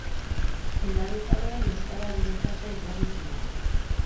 Nerabezaroan euskara bere kasa ikasi zuen.